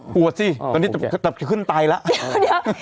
ปวดสิอ๋อคุยแค่ตอนนี้จะแปลกขึ้นตายละเดี๋ยวนี้